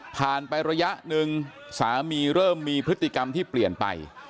ไประยะหนึ่งสามีเริ่มมีพฤติกรรมที่เปลี่ยนไป